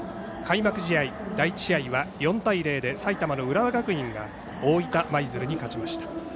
開幕試合、第１試合は４対０で埼玉の浦和学院が大分舞鶴に勝ちました。